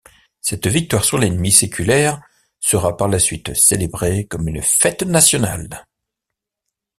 Cette victoire sur l'ennemi séculaire sera par la suite célébrée comme une fête nationale.